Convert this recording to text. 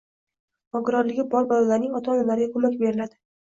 Nogironligi bor bolalarning ota-onalariga ko‘mak berilading